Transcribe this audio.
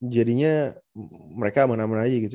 jadinya mereka aman aman aja gitu